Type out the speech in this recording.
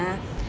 tapi bentar deh